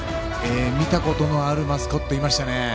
見たことのあるマスコットいましたね。